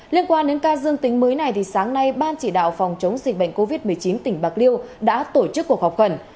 liên quan đến ca dương tính mới này thì sáng nay ban chỉ đạo phòng chống dịch bệnh covid một mươi chín tỉnh bạc liêu đã tổ chức cuộc họp khẩn